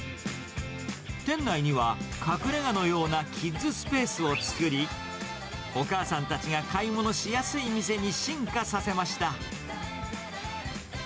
店内には隠れがのようなキッズスペースを作り、お母さんたちが買い物しやすい店に進化させました。